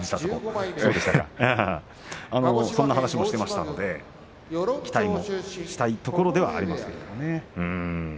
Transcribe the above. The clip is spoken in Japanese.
そんな話もしていましたので期待もしたいところではあります。